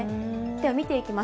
では見ていきます。